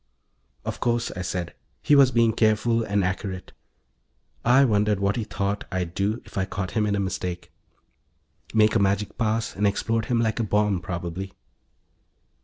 "Of course," I said. He was being careful and accurate. I wondered what he thought I'd do if I caught him in a mistake. Make a magic pass and explode him like a bomb, probably.